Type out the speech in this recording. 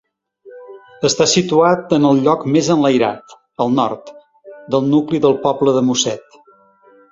Està situat en el lloc més enlairat, al nord, del nucli del poble de Mosset.